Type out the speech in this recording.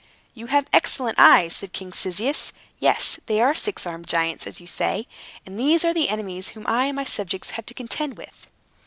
"You have excellent eyes," said King Cyzicus. "Yes; they are six armed giants, as you say, and these are the enemies whom I and my subjects have to contend with."